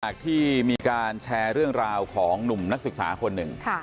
ที่มีการแชร์เรื่องราวของหนุ่มนักศึกษาคนหนึ่ง